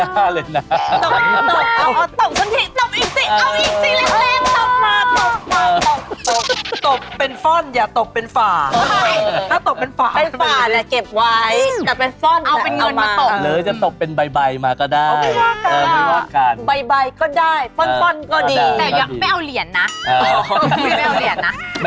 ถ้าตบนี่ไม่น่าไม่น่าเลยนะ